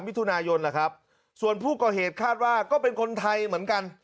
มิถุนายนแหละครับส่วนผู้ก่อเหตุคาดว่าก็เป็นคนไทยเหมือนกัน